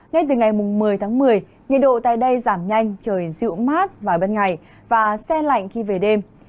nên từ ngày mùng một mươi tháng một mươi nhiệt độ tại đây giảm nhanh trời dịu mát và bất ngại và xen lạnh khi về đêm